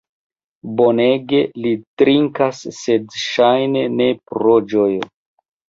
Bonege li drinkas, sed ŝajne ne pro ĝojo!